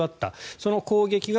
その攻撃が